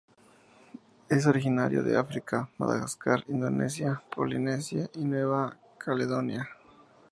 Es originario de África, Madagascar, Indonesia, Polinesia, y Nueva Caledonia.